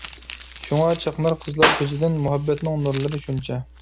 شۇڭا چاقنار قىزلار كۆزىدىن، مۇھەببەتنىڭ نۇرلىرى شۇنچە.